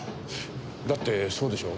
だってそうでしょう？